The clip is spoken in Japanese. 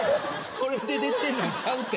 それで出てるのんちゃうて。